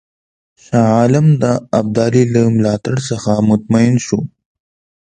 شاه عالم د ابدالي له ملاتړ څخه مطمئن شو.